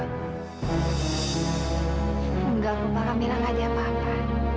nggak apa apa kak mila nggak ada apa apa